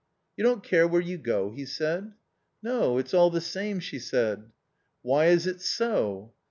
" You don't care where you go ?" he said. " No, it's all the same," she said. u Why is it so